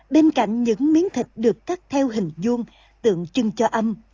bên cạnh những miếng thịt được cắt theo hình dung tượng trưng cho âm